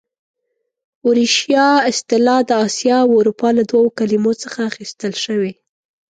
اوریشیا اصطلاح د اسیا او اروپا له دوو کلمو څخه اخیستل شوې.